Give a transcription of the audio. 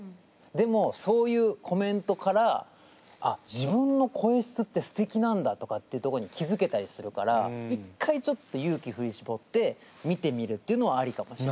でもそういうコメントから「あっ自分の声質ってすてきなんだ」とかっていうとこに気付けたりするから一回ちょっと勇気ふりしぼって見てみるっていうのはありかもしれない。